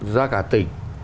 ra cả tỉnh